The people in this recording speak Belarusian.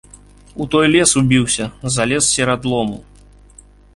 У той лес убіўся, залез серад лому.